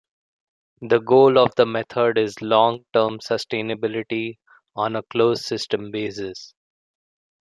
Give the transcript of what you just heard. The goal of the method is long term sustainability on a closed system basis.